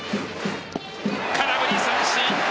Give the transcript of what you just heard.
空振り三振。